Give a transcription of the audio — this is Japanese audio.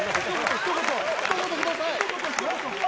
ひと言ください。